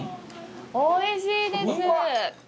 おいしいです。